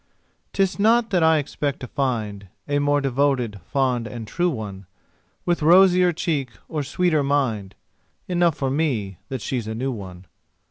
'Tis not that I expect to find A more devoted, fond and true one, With rosier cheek or sweeter mind Enough for me that she's a new one.